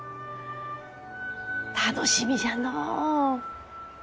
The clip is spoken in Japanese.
楽しみじゃのう。